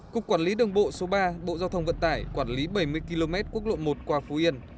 cục quản lý đường bộ số ba bộ giao thông vận tải quản lý bảy mươi km quốc lộ một qua phú yên